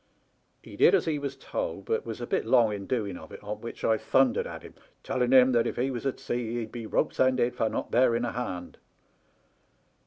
" He did as he was told, but was a bit long in doing of it, on which I thundered at him, telling him that if he was at sea he'd be rope's ended for not bearing a hand.